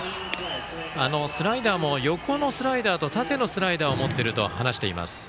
スライダーも、横のスライダーと縦のスライダーを持っていると話しています。